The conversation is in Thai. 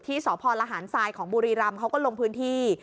สพลหารทรายของบุรีรำเขาก็ลงพื้นที่